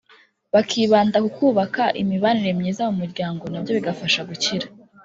Bakibanda ku kubaka imibanire myiza mu muryango nabyo bigafasha gukira